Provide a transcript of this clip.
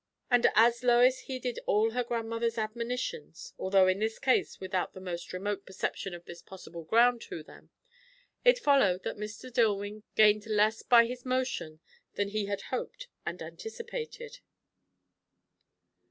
And as Lois heeded all her grandmother's admonitions, although in this case without the most remote perception of this possible ground to them, it followed that Mr. Dillwyn gained less by his motion than he had hoped and anticipated.